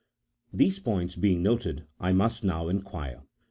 These points being noted, I must now inquire I.